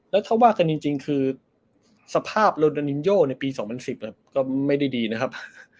แล้วถ้าว่ากันจริงคือสภาพโรดานินโยในปี๒๐๑๐ก็ไม่ได้ดีนะครับ